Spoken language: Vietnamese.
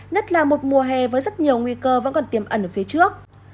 nhất là một mùa hè với rất nhiều nguy cơ vẫn còn tiềm ẩn ở phía trước